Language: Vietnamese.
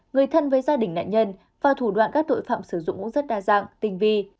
người thân với gia đình nạn nhân và thủ đoạn các tội phạm sử dụng cũng rất đa dạng tinh vi